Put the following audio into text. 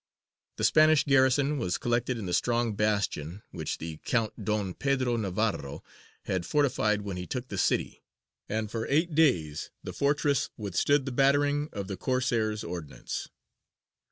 The Spanish garrison was collected in the strong bastion, which the Count Don Pedro Navarro had fortified when he took the city, and for eight days the fortress withstood the battering of the Corsair's ordnance.